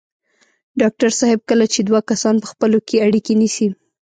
ډاکټر صاحب کله چې دوه کسان په خپلو کې اړيکې نیسي.